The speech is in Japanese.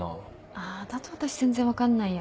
あだと私全然分かんないや。